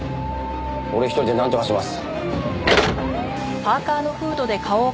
俺一人でなんとかします。